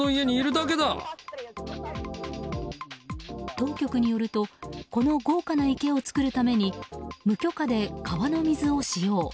当局によるとこの豪華な池を作るために無許可で川の水を使用。